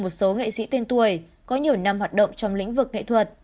một số nghệ sĩ tên tuổi có nhiều năm hoạt động trong lĩnh vực nghệ thuật